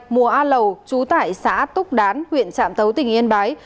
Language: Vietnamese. mùa a lầu trú tại xã túc đán huyện trạm tấu tỉnh yên bái